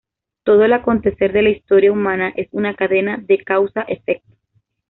Todo el acontecer de la Historia humana es una cadena de causa-efecto.